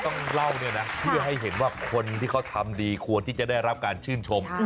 ต้องเล่าเนี่ยนะเพื่อให้เห็นว่าคนที่เขาทำดีควรที่จะได้รับการชื่นชม